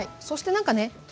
そして何かね